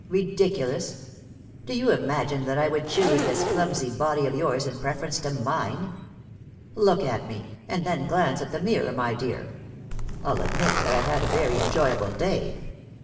ridiculous! Do you imagine that I would choose this clumsy body of yours in preference to mine? Look at me, and then glance at the mirror, my dear. I'll admit that I've had a very enjoyable day.